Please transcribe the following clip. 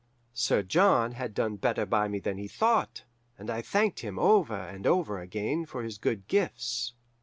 Sir John had done better by me than he thought, and I thanked him over and over again for his good gifts.